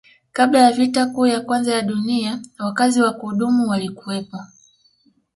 Kabla ya vita kuu ya kwanza ya Dunia wakazi wa kudumu walikuwepo